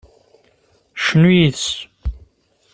Cnu yid-s.